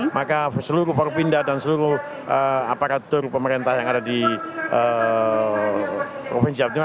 maka seluruh forbinda dan seluruh aparatur pemerintah yang ada di provinsi jawa timur